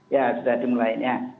ya sudah dimulainya